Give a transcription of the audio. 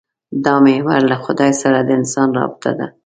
دا محور له خدای سره د انسان رابطه ده.